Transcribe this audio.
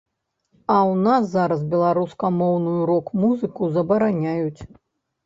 А ў нас зараз беларускамоўную рок-музыку забараняюць.